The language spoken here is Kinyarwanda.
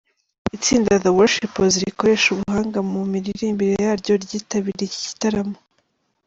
Itsinda The Worshippers rikoresha ubuhanga mu miririmbire yaryo ryitabiriye iki gitaramo.